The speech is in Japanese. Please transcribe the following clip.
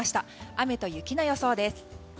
雨と雪の予想です。